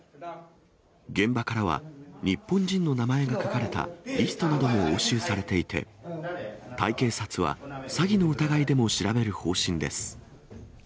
現場からは、日本人の名前が書かれたリストなども押収されていて、タイ警察は詐欺の疑いでも調べる方針です。